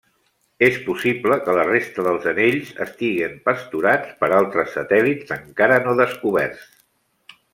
És possible que la resta dels anells estiguen pasturats per altres satèl·lits encara no descoberts.